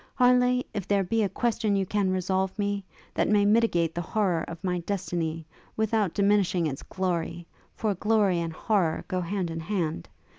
Harleigh! if there be a question you can resolve me, that may mitigate the horrour of my destiny, without diminishing its glory for glory and horrour go hand in hand!